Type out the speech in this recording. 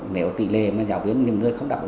nếu tỷ lệ giáo viên không đạt được